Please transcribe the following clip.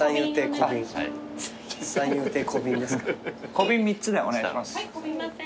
小瓶３つでお願いします。